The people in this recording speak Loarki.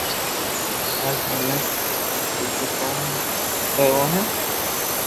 اج مني ڀآجو ڪوم بي ڪروو ھي